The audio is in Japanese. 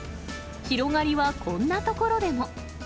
広がりはこんな所でも。